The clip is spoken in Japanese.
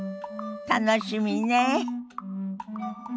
楽しみねえ。